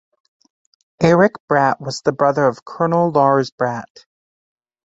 Erik Bratt was the brother of Colonel Lars Bratt.